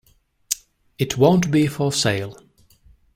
It won't be for sale.